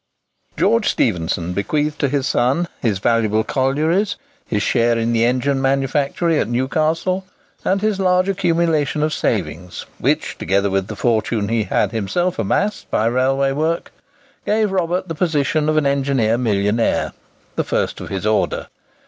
George Stephenson bequeathed to his son his valuable collieries, his share in the engine manufactory at Newcastle, and his large accumulation of savings, which, together with the fortune he had himself amassed by railway work, gave Robert the position of an engineer millionaire—the first of his order.